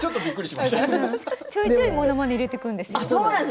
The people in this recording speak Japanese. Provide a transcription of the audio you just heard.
ちょいちょいものまね入れてくるんですよ。